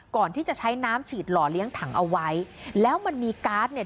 ก่อนที่จะใช้น้ำฉีดหล่อเลี้ยงถังเอาไว้แล้วมันมีการ์ดเนี่ย